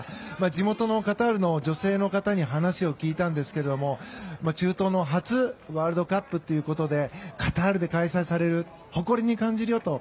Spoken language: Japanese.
地元のカタールの女性の方に話を聞いたんですけども中東での初ワールドカップということでカタールで開催される誇りに感じるよと。